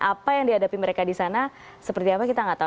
apa yang dihadapi mereka di sana seperti apa kita nggak tahu